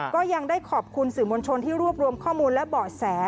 ก็ยังได้ขอบคุณสื่อมวลชนที่รวบรวมข้อมูลและเบาะแส